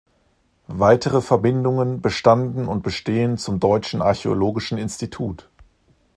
Weitere Verbindungen bestanden und bestehen zum Deutschen Archäologischen Institut.